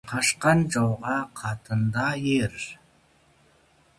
Қашқан жауға қатын да ер.